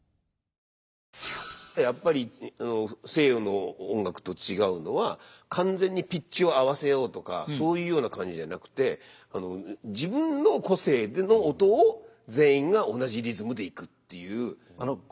やっぱり西洋の音楽と違うのは完全にピッチを合わせようとかそういうような感じじゃなくて自分の個性での音を全員が同じリズムでいくっていう。